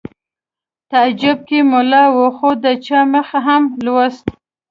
تعجب که ملا و خو د چا مخ هم لوست